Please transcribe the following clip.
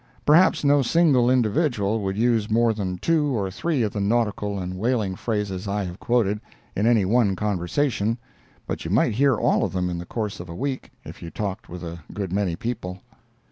Perhaps no single individual would use more than two or three of the nautical and whaling phrases I have quoted, in any one conversation, but you might hear all of them in the course of a week, if you talked with a good many people.